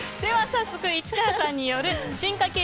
早速、市川さんによる進化系